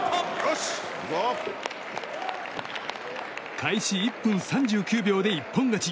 開始１分３９秒で一本勝ち。